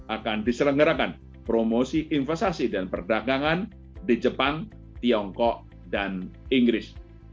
akan diselenggarakan promosi investasi dan perdagangan di jepang tiongkok dan inggris